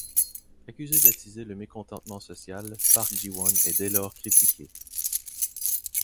Accusé d'attiser le mécontentement social, Park Ji-won est dès lors critiqué.